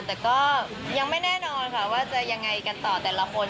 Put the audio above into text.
แต่ก็ยังไม่แน่นอนค่ะว่าจะยังไงกันต่อแต่ละคน